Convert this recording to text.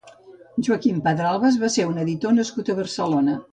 Joaquim Pedralbes va ser un editor nascut a Barcelona.